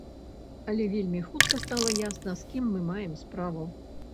Але вельмі хутка стала ясна, з кім мы маем справу.